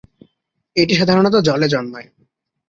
এটি সাধারণত জলে জন্মায়।